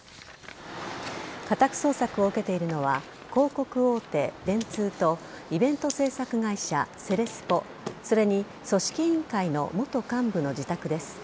家宅捜索を受けているのは広告大手・電通とイベント制作会社・セレスポそれに組織委員会の元幹部の自宅です。